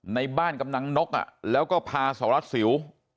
ในบ้านกำลังนกแล้วก็พาสารวัตรสิว